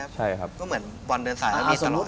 ก็เหมือนบอลเดินสายมีตลอด